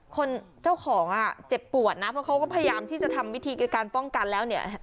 คนเจ้าของอ่ะเจ็บปวดนะเพราะเขาก็พยายามที่จะทำวิธีในการป้องกันแล้วเนี่ย